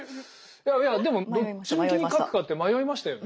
いやいやでもどっち向きに書くかって迷いましたよね。